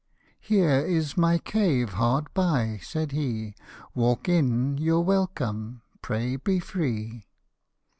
" Here is my cave hard by," said he, " Walk in, you're welcome, pray be free."